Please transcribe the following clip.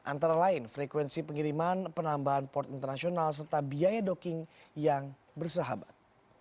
antara lain frekuensi pengiriman penambahan port internasional serta biaya doking yang bersahabat